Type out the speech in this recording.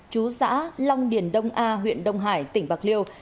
chú xã long điền đông a huyện đông hải tỉnh bạc liêu